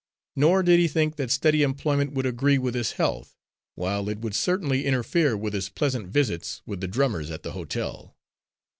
Nor did he think that steady employment would agree with his health, while it would certainly interfere with his pleasant visits with the drummers at the hotel.